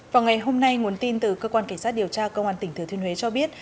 vào ngày hôm nay nguồn tin từ cơ quan cảnh sát điều tra công an tỉnh thừa thiên huế cho biết